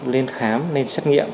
lên khám lên xét nghiệm